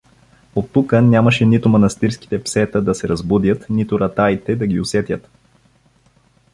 Оттука нямаше нито манастирските псета да се разбудят, нито ратаите да ги усетят.